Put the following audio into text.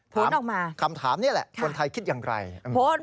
พูดออกมาคำถามนี่แหละคนไทยคิดอย่างไรอืมพูด